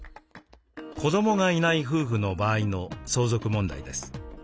「子どもがいない夫婦の場合」の相続問題です。